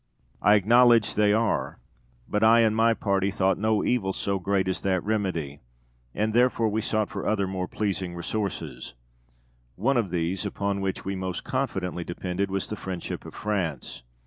De Witt. I acknowledge they are; but I and my party thought no evil so great as that remedy, and therefore we sought for other more pleasing resources. One of these, upon which we most confidently depended, was the friendship of France.